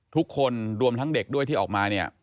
ทุกคนรวมทั้งเด็กด้วยที่ออกมาเนี่ย